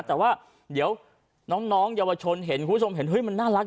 แต่ว่าเดี๋ยวน้องเยาวชนเห็นคุณผู้ชมเห็นเฮ้ยมันน่ารัก